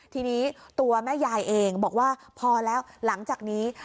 ทีนี้ตัวแม่ยายเองบอกว่าพอแล้วหลังจากนี้